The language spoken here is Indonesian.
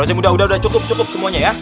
ustaz ustaz udah udah cukup cukup semuanya ya